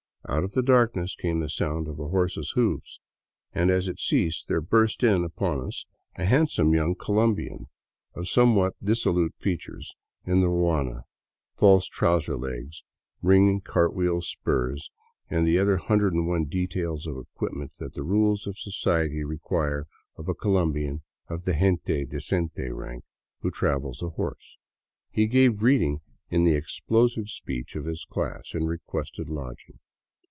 Out of the darkness came the sound of horse's ho<)fs, and as it ceased there burst in upon us a handsome young Colombian, of somewhat dissolute fea tures, in the ruana, false trouser legs, ringing cartwheel spurs, and the other hundred and one details of equipment the rules of society require of a Colombian of *' gente decente " rank who travels ahorse. He gave greeting in the explosive speech of his class and requested lodging.